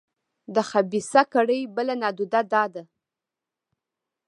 د خبیثه کړۍ بله نادوده دا ده.